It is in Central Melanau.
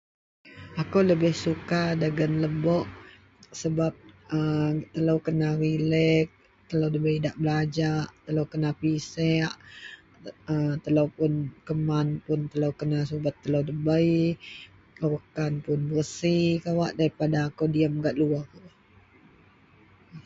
akou lebih suka dagen lebok sebab a telou kena relek, telou debei idak belajak, telou kena pisek a telou pun keman pun kena subet telou debei, wakkan pun bersi kawak daripada kou diam gak luar.